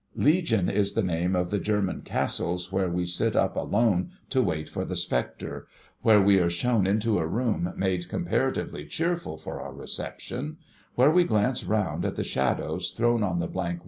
Legion is the name of the German castles, where we sit up alone to wait for the Spectre — where we are shown into a room, made comparatively cheerful for our reception — where we glance round at the shadows, thrown on the blank v.